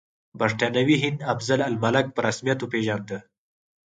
برټانوي هند افضل الملک په رسمیت وپېژانده.